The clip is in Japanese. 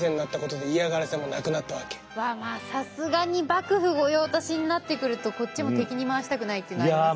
さすがに幕府御用達になってくるとこっちも敵に回したくないっていうのありますよね。